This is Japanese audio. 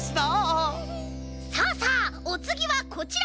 さあさあおつぎはこちら！